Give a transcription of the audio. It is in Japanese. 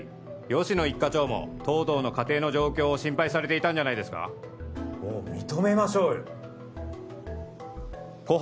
吉乃一課長も東堂の家庭の状況を心配されていたんじゃないですかもう認めましょうよ心